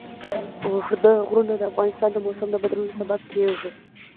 اوږده غرونه د افغانستان د موسم د بدلون سبب کېږي.